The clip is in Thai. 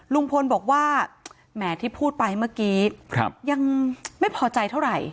ลุงพลบอกว่าแหมที่พูดไปเมื่อกี้ยังไม่พอใจเท่าไหร่